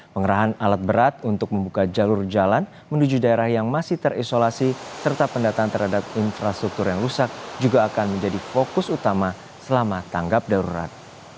pengerahan alat berat untuk membuka jalur jalan menuju daerah yang masih terisolasi serta pendataan terhadap infrastruktur yang rusak juga akan menjadi fokus utama selama tanggap darurat